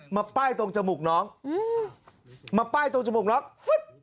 มาป้ายตรงจมูกน้องมาป้ายตรงจมูกน้อง